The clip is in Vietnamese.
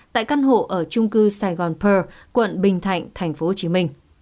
tại căn hộ ở trung cư sài gòn pờ quận bình thạnh tp hcm